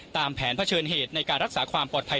ตามแผนเผชิญเหตุในการรักษาความปลอดภัย